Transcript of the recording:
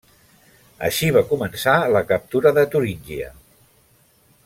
Així va començar la captura de Turíngia.